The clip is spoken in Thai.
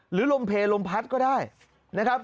ลมเพลลมพัดก็ได้นะครับ